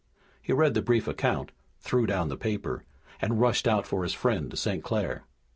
He read the brief account, threw down the paper and rushed out for his friend, St. Clair.